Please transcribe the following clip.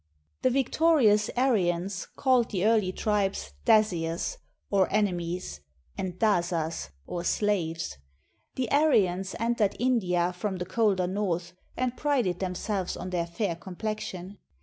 IXDL\ The \ ictorious An'ans called the early tribes Das} us or ■■enemies," and Dasas, or '"slaves." The An ans entered India from the colder north, and prided them selves on their fair complexion.